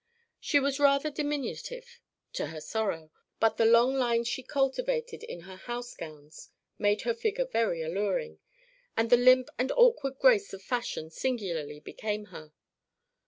She was rather diminutive (to her sorrow), but the long lines she cultivated in her house gowns made her figure very alluring, and the limp and awkward grace of fashion singularly became her.